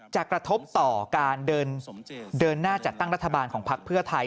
กระทบต่อการเดินหน้าจัดตั้งรัฐบาลของพักเพื่อไทย